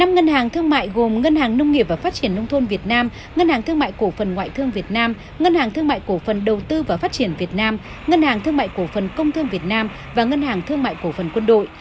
năm ngân hàng thương mại gồm ngân hàng nông nghiệp và phát triển nông thôn việt nam ngân hàng thương mại cổ phần ngoại thương việt nam ngân hàng thương mại cổ phần đầu tư và phát triển việt nam ngân hàng thương mại cổ phần công thương việt nam và ngân hàng thương mại cổ phần quân đội